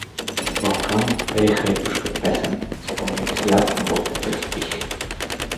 „Балканът пее хайдушка песен“, спомних си аз Ботевия стих.